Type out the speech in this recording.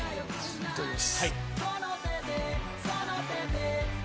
いただきます。